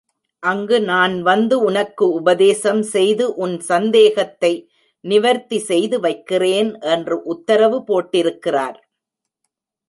அங்கு நான் வந்து உனக்கு உபதேசம் செய்து உன் சந்தேகத்தை நிவர்த்தி செய்து வைக்கிறேன் என்று உத்தரவு போட்டிருக்கிறார்.